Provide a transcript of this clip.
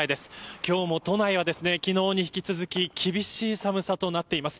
今日も都内は、昨日に引き続き厳しい寒さとなっています。